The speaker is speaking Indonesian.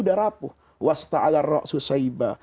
sudah rapuh wasta'ala ro' su'sa'iba